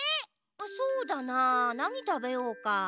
そうだななにたべようか？